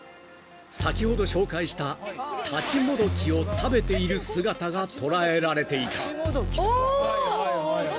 先ほど紹介したタチモドキを食べている姿が捉えられていた］